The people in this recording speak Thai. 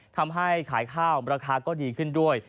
ทำให้ขายข้าวราคาก็ดีขึ้นด้วย